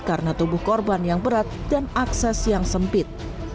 karena tubuh korban yang berat dan akses yang sempit